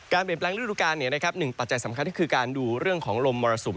เปลี่ยนแปลงฤดูการหนึ่งปัจจัยสำคัญก็คือการดูเรื่องของลมมรสุม